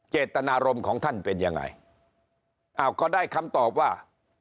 เจตนารมณ์ของท่านเป็นยังไงอ้าวก็ได้คำตอบว่า